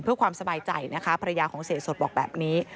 เพื่อความสบายใจนะคะภรรยาของเสียสดบอกแบบนี้